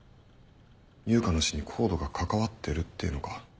悠香の死にＣＯＤＥが関わってるっていうのか？